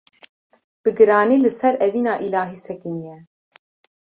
bi giranî li ser evîna îlahî sekinîye.